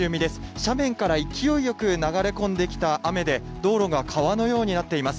斜面から勢いよく流れ込んできた雨で、道路が川のようになっています。